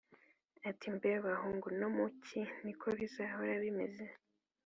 ati mbe bahungu no mu cyi ni ko bizahora bimeze?